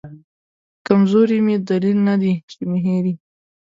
کمزوري مې دلیل ندی چې مې هېر یې